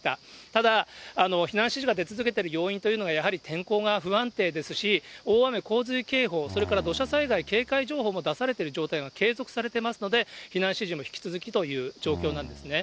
ただ、避難指示が出続けている要因というのが、天候が不安定ですし、大雨洪水警報、それから土砂災害警戒情報も出されてる状態が継続されてますので、避難指示も引き続きという状況なんですね。